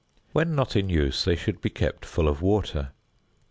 When not in use, they should be kept full of water.